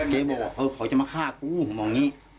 บอกเขาจะมาฆ่ากูผมมองอย่างนี้